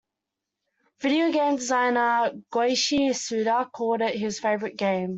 Video game designer Goichi Suda called it his favourite game.